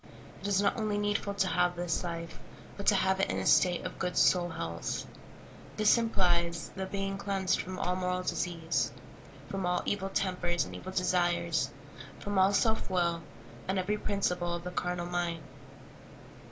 It is not only needful to have this life, but to have it in a state of good soul health. This implies the being cleansed from all moral 5 6 SOUt FOOD. disease, from all evil tempers and evil desires, from all self will, and every principle of the carnal mind.